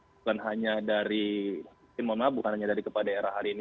bukan hanya dari kepada era hari ini